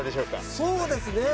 そうですね。